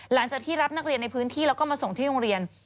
หลังจากที่รับนักเรียนในพื้นที่แล้วก็มาส่งที่โรงเรียน